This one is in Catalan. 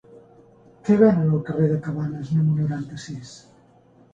Què venen al carrer de Cabanes número noranta-sis?